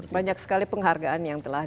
banyak sekali penghargaan yang telah